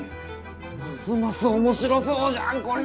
ますます面白そうじゃんこれ。